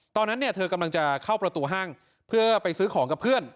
ตอนนั้นเนี่ยเธอกำลังจะเข้าประตูห้างเพื่อไปซื้อของกับเพื่อน